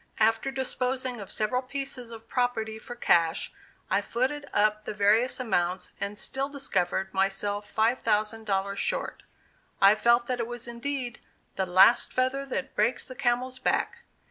After disposing of several pieces of property for cash, I footed up the various amounts, and still discovered myself five thousand dollars short. I felt that it was indeed "the last feather that breaks the camel's back."